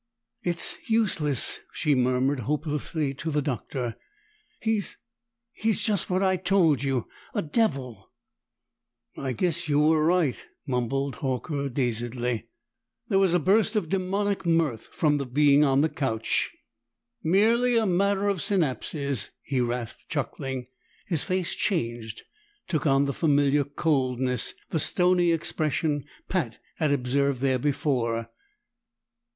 "It's useless," she murmured hopelessly to the Doctor. "He's he's just what I told you a devil!" "I guess you were right," mumbled Horker dazedly. There was a burst of demonic mirth from the being on the couch. "Merely a matter of synapses," he rasped, chuckling. His face changed, took on the familiar coldness, the stony expression Pat had observed there before.